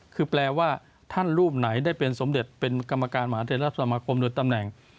คือแปลว่าท่านรูปไหนได้เป็นสมเด็จเป็นกรรมการมหาเทราสมาคมโดยตำแหน่ง